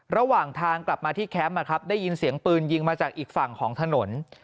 ระหว่างทางกลับมาที่แคมป์ได้ยินเสียงปืนยิงมาจากอีกฝั่งของถนน